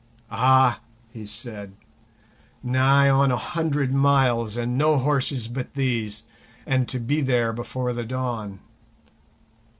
"Ah!" he said, "nigh on a hundred miles and no horses but these, and to be there before the dawn!